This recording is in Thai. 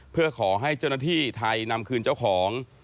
เพื่อขอให้เจ้าหน้าที่ไทยนำคืนเจ้าของ